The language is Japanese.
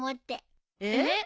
えっ？